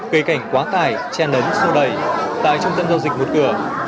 cây cảnh quá tải che nấm xô đầy tại trung tâm giao dịch một cửa